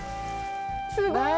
すごい！